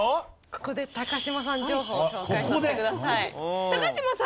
ここで嶋さん情報を紹介させてください。